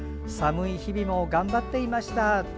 寒い日々も頑張っていました。